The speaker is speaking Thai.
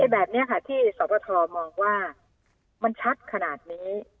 แบบนี้ค่ะที่สปทมองว่ามันชัดขนาดนี้